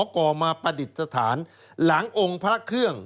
ก่อมาประดิษฐานหลังองค์พระเครื่อง